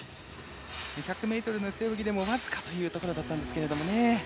１００ｍの背泳ぎでも僅かというところだったんですけれどね。